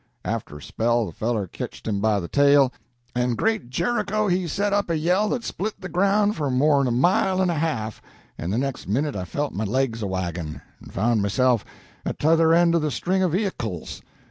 After a spell the feller ketched him by the tail, and great Jericho! he set up a yell that split the ground for more'n a mile and a half, and the next minit I felt my legs a waggin', and found myself at t'other end of the string o' vehickles.